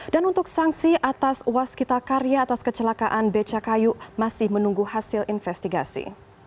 dan untuk sanksi atas waskita karya atas kecelakaan beca kayu masih menunggu hasil investigasi